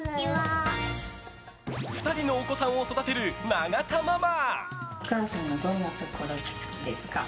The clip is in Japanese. ２人のお子さんを育てる永田ママ。